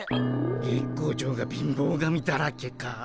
月光町が貧乏神だらけか。